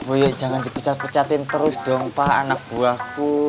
oh ya jangan dipecat pecatin terus dong pak anak buahku